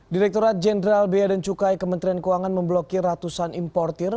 direkturat jenderal bea dan cukai kementerian keuangan memblokir ratusan importir